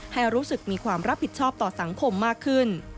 ให้รู้สึกมีความรับผิดชอบต่อสังคมมากขึ้น